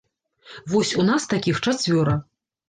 Вось у нас такіх чацвёра.